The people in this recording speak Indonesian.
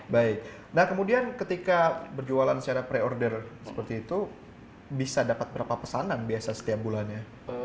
baik nah kemudian ketika berjualan secara pre order seperti itu bisa dapat berapa pesanan biasa setiap bulannya